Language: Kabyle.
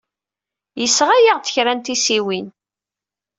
Yesɣa-aɣ-d kra n tissiwin.